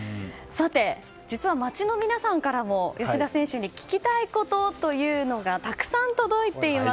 実は、街の人からも吉田選手に聞きたいことがたくさん届いています。